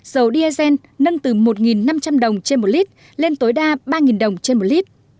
dầu diesel nâng từ một năm trăm linh đồng trên một lít lên tối đa ba đồng trên một lít